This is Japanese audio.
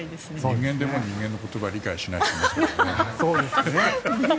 人間でも人間の言葉を理解しない人いますよね。